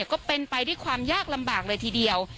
ก็เป็นไปด้วยความยากลำบากเลยทีเดียว